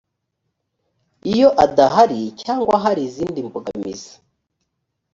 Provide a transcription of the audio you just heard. iyo adahari cyangwa hari izindi mbogamizi